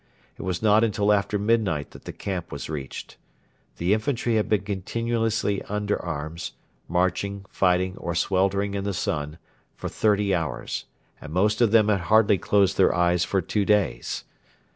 It was not until after midnight that the camp was reached. The infantry had been continuously under arms marching, fighting, or sweltering in the sun for thirty hours, and most of them had hardly closed their eyes for two days.